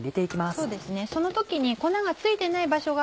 そうですね。